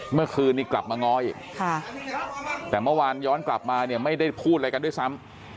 เมื่อคืนนี้กลับมาง้ออีกแต่เมื่อวานย้อนกลับมาเนี่ยไม่ได้พูดอะไรกันด้วยซ้ำ